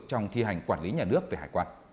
trong thi hành quản lý nhà nước về hải quan